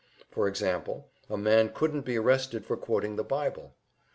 For example, a man couldn't be arrested for quoting the Bible.